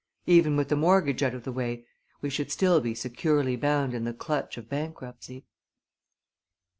Even with the mortgage out of the way we should still be securely bound in the clutch of bankruptcy."